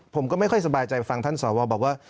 ผมก็ไม่ค่อยสบายใจฟังท่านสวบอกว่า